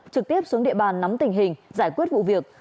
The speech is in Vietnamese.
trực tiếp xuống địa bàn nắm tình hình giải quyết vụ việc